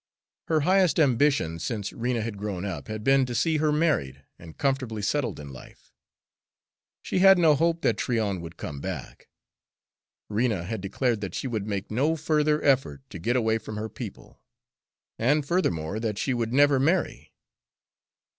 Her highest ambition, since Rena had grown up, had been to see her married and comfortably settled in life. She had no hope that Tryon would come back. Rena had declared that she would make no further effort to get away from her people; and, furthermore, that she would never marry.